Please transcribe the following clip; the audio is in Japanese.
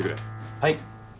はい。